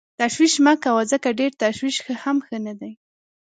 تشویش مه کوه ځکه ډېر تشویش هم ښه نه دی.